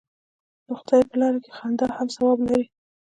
د خدای په لاره کې خندا هم ثواب لري.